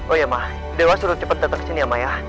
oh iya ma dewa suruh cepet dateng kesini ya ma ya